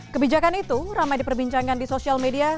kebijakan itu ramai diperbincangkan di sosial media